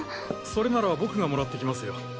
それなら僕がもらってきますよ。